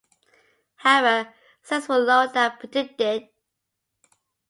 However, sales were lower than predicted.